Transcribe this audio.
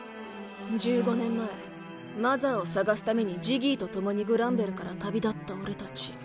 １５年前マザーを探すためにジギーと共にグランベルから旅立った俺たち。